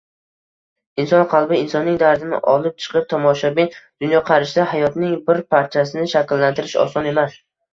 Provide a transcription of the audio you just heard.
Inson qalbi, insonning dardini olib chiqib tomoshabin dunyoqarashida hayotning bir parchasini shakllantirish oson emas